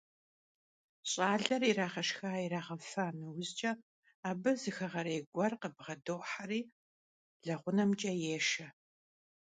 Ş'aler yirağeşşxa - yirağefa neujç'e, abı zı xeğerêy guer khıbğedoheri leğunemç'e yêşşe.